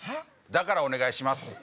だからお願いします